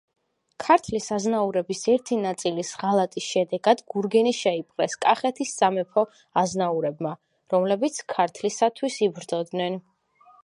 ქართლის აზნაურების ერთი ნაწილის ღალატის შედეგად გურგენი შეიპყრეს კახეთის სამეფოს აზნაურებმა, რომლებიც ქართლისათვის იბრძოდნენ.